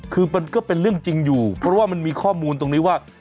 คือมันก็เป็นเรื่องจริงอยู่เพราะว่ามันมีข้อมูลตรงนี้ว่า